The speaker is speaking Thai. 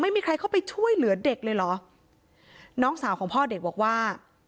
ไม่มีใครเข้าไปช่วยเหลือเด็กเลยเหรอน้องสาวของพ่อเด็กบอกว่า